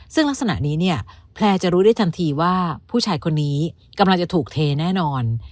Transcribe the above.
ซึ่งลักษณะนี้เนี่ยแพลร์จะรู้ได้ทันทีว่าผู้ชายคนนี้กำลังจะถูกเทแน่นอน